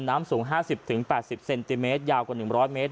น้ำสูงห้าสิบถึงแปดสิบเซนติเมตรยาวกว่าหนึ่งร้อยเมตร